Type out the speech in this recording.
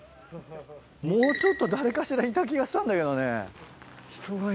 もうちょっと誰かしらいた気がしたんだけどね。